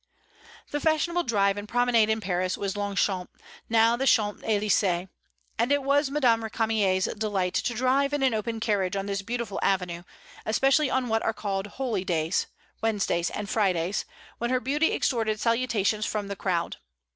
The fashionable drive and promenade in Paris was Longchamps, now the Champs Élysées, and it was Madame Récamier's delight to drive in an open carriage on this beautiful avenue, especially on what are called the holy days, Wednesdays and Fridays, when her beauty extorted salutations from the crowd.